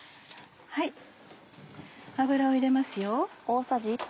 油を入れます。